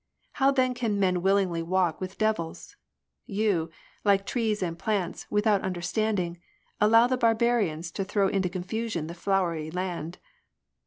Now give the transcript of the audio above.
How then can men willingly walk with devils ? You, like trees and plants, without understanding. Allow the barbarians to throw into confusion the Flowery Land.